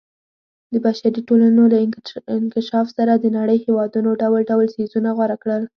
د بشري ټولنو له انکشاف سره د نړۍ هېوادونو ډول ډول څیزونه غوره کړل.